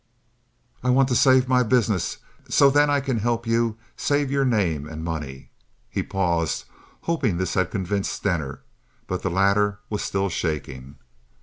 I want to save my business so then I can help you to save your name and money." He paused, hoping this had convinced Stener, but the latter was still shaking.